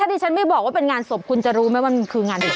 ที่ฉันไม่บอกว่าเป็นงานศพคุณจะรู้ไหมว่ามันคืองานศพ